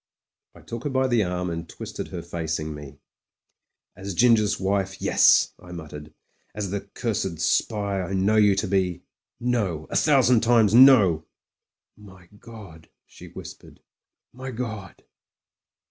I took her by the arm and twisted her facing me. "As Ginger's wife, yes," I muttered; "as the cursed spy I know you to be, no — 2l thousand times no." "My God !" she whispered. "My God